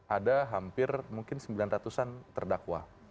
ada hampir mungkin sembilan ratus an terdakwa